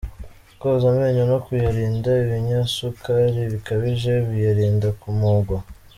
Koza amenyo no kuyarinda ibinyasukari bikabije, biyarinda kumugwa.